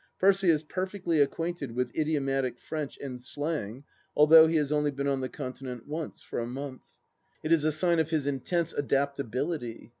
Percy is perfectly acquainted with idiomatic French and slang, although he has only been on the Continent once, for a month. It is a sign of his intense adaptability.